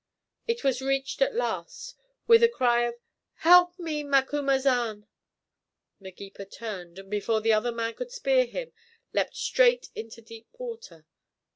It was reached at last. With a cry of "Help me, Macumazahn!" Magepa turned, and before the other man could spear him, leapt straight into deep water.